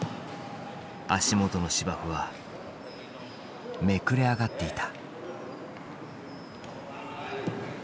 足元の芝生はめくれ上がっていた。